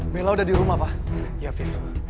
bella udah di rumah tablespoons